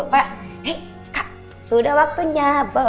kak sudah waktunya